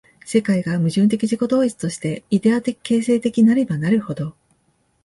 世界が矛盾的自己同一として、イデヤ的形成的なればなるほど、